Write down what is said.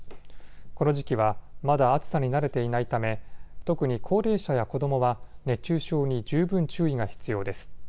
この時期はまだ暑さに慣れていないため特に高齢者や子どもは熱中症に十分注意が必要です。